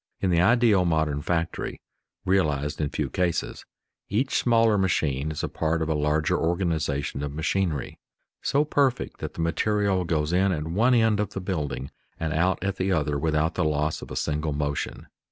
In the ideal modern factory (realized in few cases) each smaller machine is a part of a larger organization of machinery, so perfect that the material goes in at one end of the building and out at the other without the loss of a single motion.